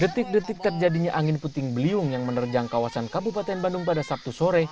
detik detik terjadinya angin puting beliung yang menerjang kawasan kabupaten bandung pada sabtu sore